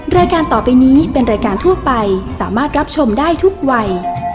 รายการต่อไปนี้เป็นรายการทั่วไปสามารถรับชมได้ทุกวัย